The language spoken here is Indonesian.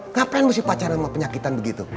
ngapain mu si pacaran sama penyakitan begitu